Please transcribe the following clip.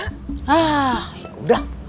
hah ya udah